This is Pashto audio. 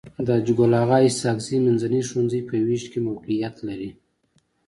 د حاجي ګل اغا اسحق زي منځنی ښوونځی په ويش کي موقعيت لري.